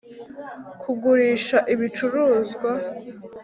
kugurisha ibicuruzwa .